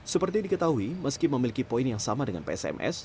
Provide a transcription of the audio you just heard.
seperti diketahui meski memiliki poin yang sama dengan psms